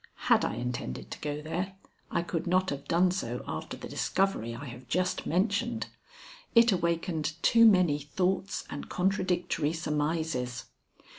Had I intended to go there, I could not have done so after the discovery I have just mentioned. It awakened too many thoughts and contradictory surmises.